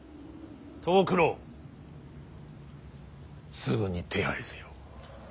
藤九郎すぐに手配せよ。